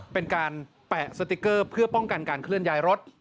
เป็นการแปะสติ๊กเกอร์เพื่อป้องกันการเคลื่อนย้ายรถ